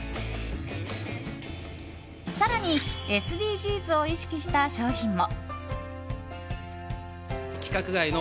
更に、ＳＤＧｓを意識した商品も。